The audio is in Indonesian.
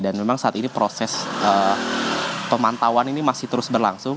dan memang saat ini proses pemantauan ini masih terus berlangsung